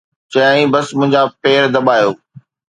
چيائين، ”بس منهنجا پير دٻايو.